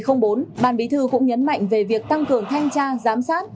trong chỉ thị bốn bàn bí thư cũng nhấn mạnh về việc tăng cường thanh tra giám sát